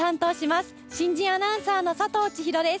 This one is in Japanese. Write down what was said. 新人アナウンサーの佐藤ちひろです。